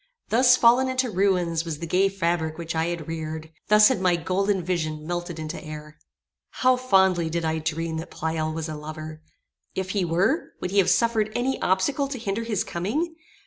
Thus fallen into ruins was the gay fabric which I had reared! Thus had my golden vision melted into air! How fondly did I dream that Pleyel was a lover! If he were, would he have suffered any obstacle to hinder his coming?